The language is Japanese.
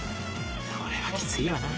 これはきついよな。